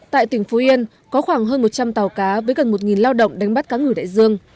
tại tỉnh phú yên có khoảng hơn một trăm linh tàu cá với gần một lao động đánh bắt cá ngửi đại dương